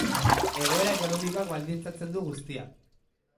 Egoera ekonomikoak baldintzatzen du guztia.